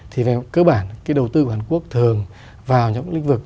thì về cơ bản cái đầu tư của hàn quốc thường vào những lĩnh vực